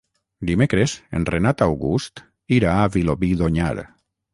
Dimecres en Renat August irà a Vilobí d'Onyar.